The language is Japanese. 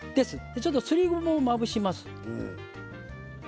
ちょっと、すりごまをまぶします。